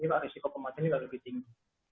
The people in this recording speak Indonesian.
jadi pak risiko kematian ini lebih tinggi